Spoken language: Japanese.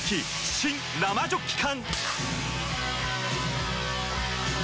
新・生ジョッキ缶！